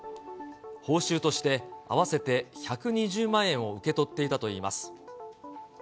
報酬として合わせて１２０万円を受け取っていたといいます。